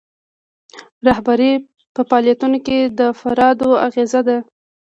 رهبري په فعالیتونو د افرادو اغیزه ده.